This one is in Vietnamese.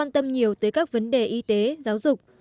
quan tâm nhiều tới các vấn đề y tế giáo dục